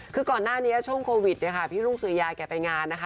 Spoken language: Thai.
คือก่อนหน้านี้ช่วงโควิดพี่รุ้งสื่อยาไปงานนะคะ